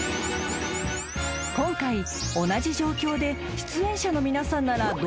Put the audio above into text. ［今回同じ状況で出演者の］